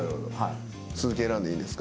スズキ選んでいいですか？